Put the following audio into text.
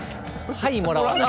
はいもらわない。